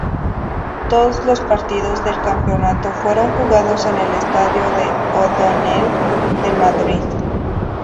Todos los partidos del campeonato fueron jugados en el Estadio de O'Donnell de Madrid.